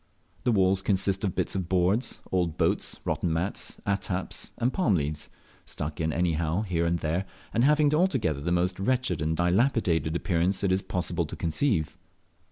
The walls consist of bits of boards, old boats, rotten mats, attaps, and palm leaves, stuck in anyhow here and there, and having altogether the most wretched and dilapidated appearance it is possible to conceive.